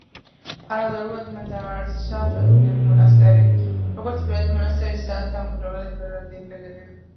პარალელურად, მან დააარსა შოტლანდიური მონასტერი, როგორც პირადი მონასტერი, სადაც დამკვიდრდნენ ირლანდიელი ბერები.